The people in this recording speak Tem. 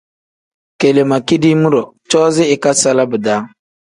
Kele ma kidiim-ro na coozi ikasala bidaa.